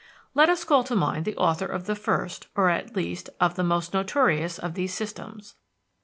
Let us call to mind the author of the first, or at least, of the most notorious of these "systems."